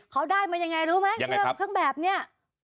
เค้าได้มันยังไงรู้ไหมเครื่องแบบนี้